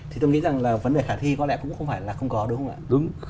thì tôi nghĩ rằng là vấn đề khả thi có lẽ cũng không phải là không có đúng không ạ